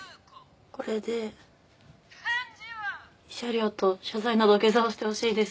これで慰謝料と謝罪の土下座をしてほしいです